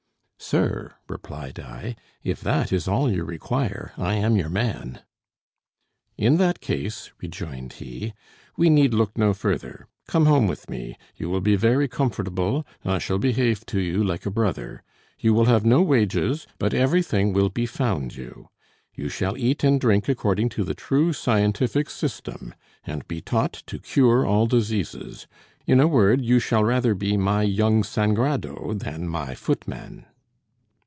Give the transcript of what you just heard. "Sir," replied I, "if that is all you require, I am your man." "In that case," rejoined he, "we need look no further. Come home with me; you will be very comfortable; I shall behave to you like a brother. You will have no wages, but everything will be found you. You shall eat and drink according to the true scientific system, and be taught to cure all diseases. In a word, you shall rather be my young Sangrado than my footman."